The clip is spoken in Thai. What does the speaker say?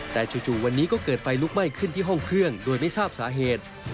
แต่จู่วันนี้ก็เกิดไฟลุกไหม้ขึ้นที่ห้องเครื่องโดยไม่ทราบสาเหตุ